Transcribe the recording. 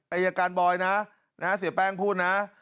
อายการบอยนะเสียแป้งพูดนะ